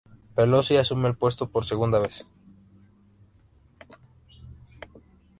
Pelosi asume el puesto por segunda vez.